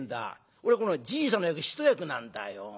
俺このじいさんの役一役なんだよ。